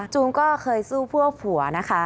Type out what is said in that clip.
ก็เคยสู้เพื่อผัวนะคะ